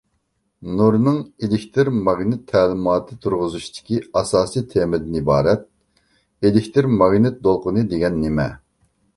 نۇرنىڭ ئېلېكتر ماگنىت تەلىماتىنى تۇرغۇزۇشتىكى ئاساس تېمىدىن ئىبارەت؟ ئېلېكتر ماگنىت دولقۇن دېگەن نېمە؟